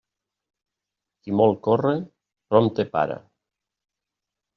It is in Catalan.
Qui molt corre, prompte para.